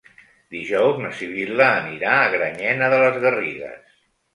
Dijous na Sibil·la anirà a Granyena de les Garrigues.